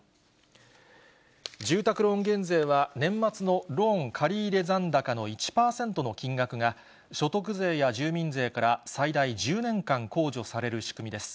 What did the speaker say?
住宅ローン減税は、年末のローン借り入れ残高の１％の金額が、所得税や住民税から最大１０年間控除される仕組みです。